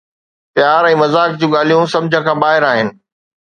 پيار ۽ مذاق جون ڳالهيون سمجھ کان ٻاهر آهن